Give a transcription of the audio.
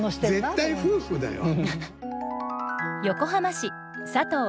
絶対夫婦だよ。